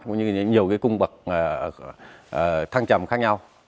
cũng như nhiều cung bậc thăng trầm khác nhau